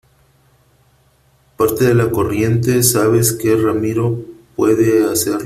parte de la corriente , sabes que Ramiro puede hacerlo .